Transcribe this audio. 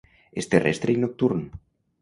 És terrestre i nocturn.